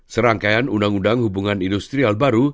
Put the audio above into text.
serangkaian undang undang hubungan industrial baru